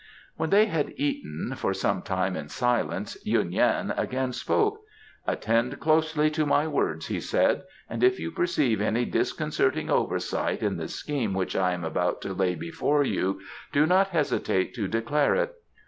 When they had eaten for some time in silence Yuen Yan again spoke. "Attend closely to my words," he said, "and if you perceive any disconcerting oversight in the scheme which I am about to lay before you do not hesitate to declare it.